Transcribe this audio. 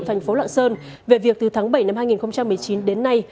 thành phố lạng sơn về việc từ tháng bảy năm hai nghìn một mươi chín đến nay